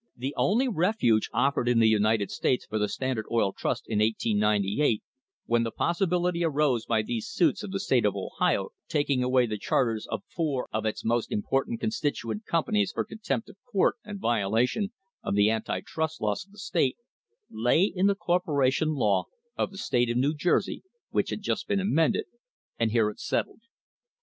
The only refuge offered in the United States for the Standard Oil Trust in 1898, when the possibility arose by these suits of the state of Ohio taking away the charters of four of its important constituent companies for contempt of court and violation of the anti trust laws of the state, lay in the corporation law of the state of New Jersey, which had just been amended, and here it settled.